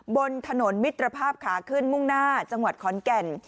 บนถนนมิตรภาพขาขึ้นมุ่งหน้าจังหวัดขอนแก่น